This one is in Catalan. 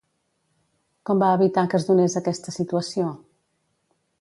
Com va evitar que es donés aquesta situació?